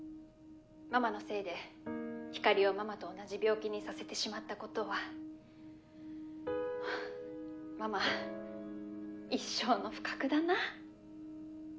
ママのせいでひかりをママと同じ病気にさせてしまったことはハァママ一生の不覚だな。